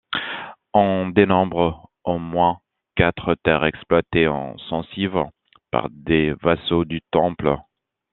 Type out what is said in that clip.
On dénombre au moins quatre terres exploitées en censive par des vassaux du Temple.